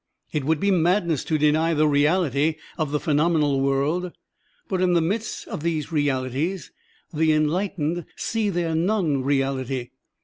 It would be madness to deny the reality of the phenomenal world, but in the midst of these realities the enlightened see their non reality.